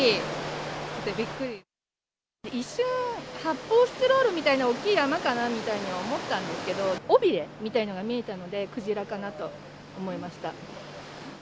一瞬、発泡スチロールみたいな大きい穴かなみたいに思ったんですけど、尾びれみたいなのが見えたので、クジラかなと思いました。